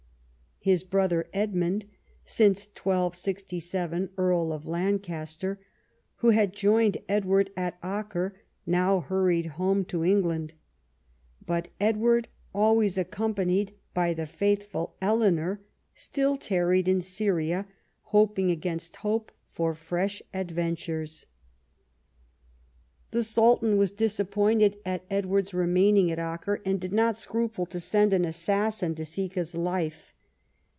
His brother Edmund [since 1267 Earl of Lancaster], who had joined Edward at Acre, now hurried home to England, but Edward, always accompanied by the faithful Eleanor, still tarried in Syria, hoping against hope for fresh adventures. The Sultan Avas disappointed at Edward's remaining at Acre, and did not scruple to send an assassin to seek his life.